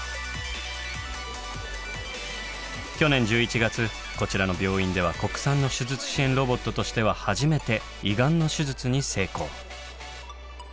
去年１１月こちらの病院では国産の手術支援ロボットとしては初めて胃がんの手術に成功。